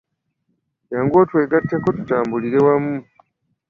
Jangu otwegateko tutambulire wamu.